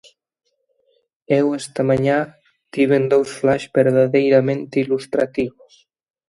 Eu esta mañá tiven dous flash verdadeiramente ilustrativos.